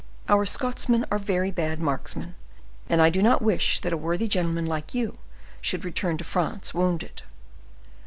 Our Scotsmen are very bad marksmen, and I do not wish that a worthy gentleman like you should return to France wounded.